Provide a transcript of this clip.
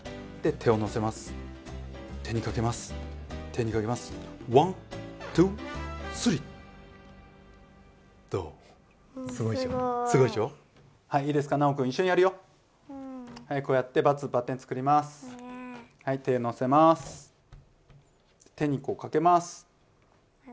手にかけます。